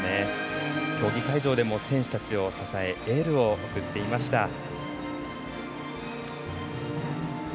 競技会場でも選手たちを支えエールを送っていました。